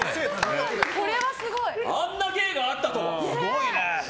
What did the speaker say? あんな芸があったとは。